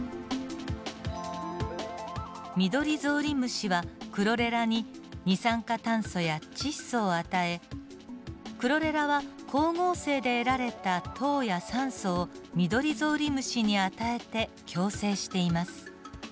ミドリゾウリムシはクロレラに二酸化炭素や窒素を与えクロレラは光合成で得られた糖や酸素をミドリゾウリムシに与えて共生しています。